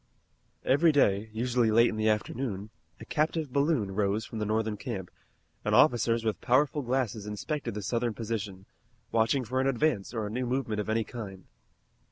Every day, usually late in the afternoon, a captive balloon rose from the Northern camp, and officers with powerful glasses inspected the Southern position, watching for an advance or a new movement of any kind.